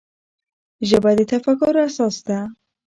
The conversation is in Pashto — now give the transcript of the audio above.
ژبه د تفکر اساس ده.